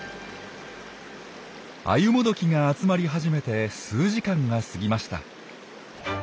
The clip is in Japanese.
アユモドキが集まり始めて数時間が過ぎました。